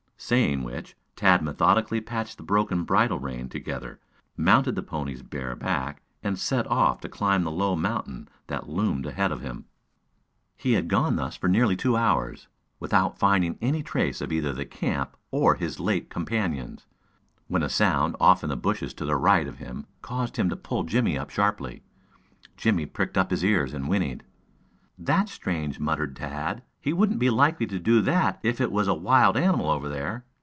Saying which, Tad methodically patched the broken bridle rein together, mounted the pony's bare back and set off to climb the low mountain that loomed ahead of him. He had gone on thus for nearly two hours, without finding any trace of either the camp or his late companions, when a sound off in the bushes to the right of him caused him to pull Jimmie up sharply. Jimmie pricked up his ears and whinnied. "That's strange," muttered Tad. "He wouldn't be likely to do that if it was a wild animal over there.